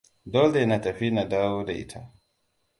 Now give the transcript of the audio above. Dole na tafi na dawo da ita.